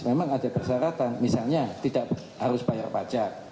memang ada persyaratan misalnya tidak harus bayar pajak